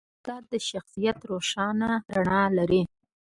جانداد د شخصیت روښانه رڼا لري.